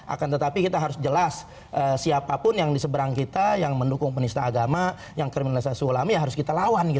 akan tetapi kita harus jelas siapapun yang diseberang kita yang mendukung penista agama yang kriminalisasi ulama ya harus kita lawan